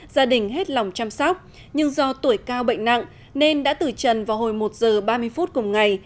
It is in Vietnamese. gia đình hết lòng chăm sóc nhưng do tuổi cao bệnh nặng nên đã tử trần vào hồi một giờ ba mươi phút cùng ngày